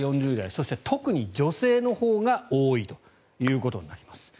そして特に女性のほうが多いということになります。